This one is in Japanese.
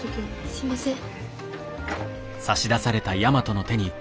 すいません。